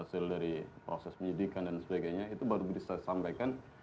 resmi hasil dari proses penyelidikan dan sebagainya itu baru disampaikan